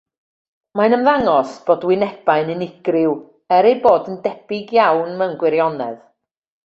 Mae'n ymddangos bod wynebau'n unigryw er eu bod yn debyg iawn mewn gwirionedd.